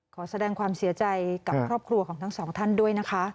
ขอแสดงความเสียใจกับครอบครัวของทั้งสองท่านด้วยนะคะ